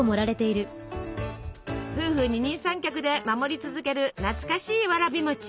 夫婦二人三脚で守り続ける懐かしいわらび餅。